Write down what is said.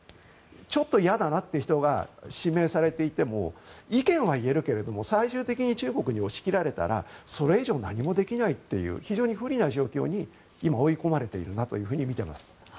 ちょっと嫌だなという人が指名されていても意見は言えるけれども最終的に中国に押し切られたらそれ以上何もできないという非常に不利な状況に今、追い込まれているとみています。